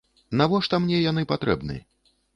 Навошта мне яны патрэбны?